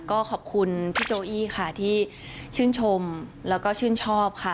ก็ขอบคุณพี่โจอี้ค่ะที่ชื่นชมแล้วก็ชื่นชอบค่ะ